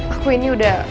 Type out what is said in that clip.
aku ini udah